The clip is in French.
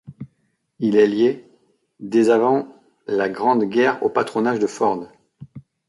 Il est lié, dès avant la Grande Guerre au patronage de Ford.